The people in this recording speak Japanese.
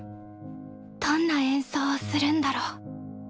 どんな演奏をするんだろう？